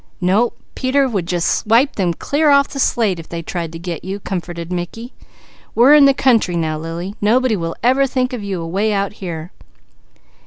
"No, Peter would just wipe them clear off the slate if they tried to get you," comforted Mickey. "We're in the country now Lily. Nobody will even think of you away out here."